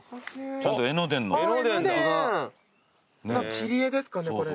切り絵ですかねこれね。